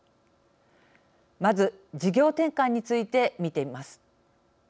まず、事業転換について見てみます。